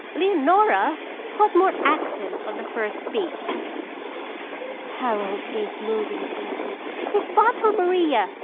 Leonora! Put more accent on the first beat. "Harold gazed moodily into " His bottle, Maria!